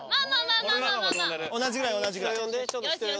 同じぐらい同じぐらい。